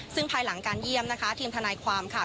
ซึ่งภายหลังการเยี่ยมนะคะทีมทนายความค่ะ